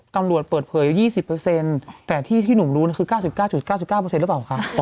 ตำรวจเปิดเผย๒๐แต่ที่หนุ่มรู้คือ๙๙๙๙หรือเปล่าคะ